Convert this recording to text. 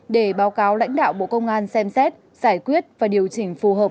để báo cáo lãnh đạo bộ công an xem xét giải quyết và điều chỉnh phù hợp